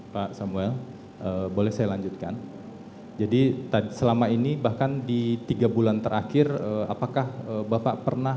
pak samuel boleh saya lanjutkan jadi tadi selama ini bahkan di tiga bulan terakhir apakah bapak pernah